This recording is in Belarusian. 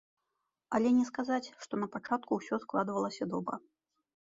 Але не сказаць, што напачатку усё складвалася добра.